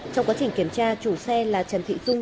trong quá trình kiểm tra chủ xe là trần thị dung